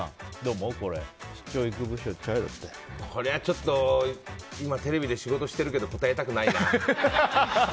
これはちょっと、今はテレビで仕事してるけど答えたくないな。